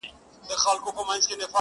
نه پر دستار یې نه پر ځیګر یې؛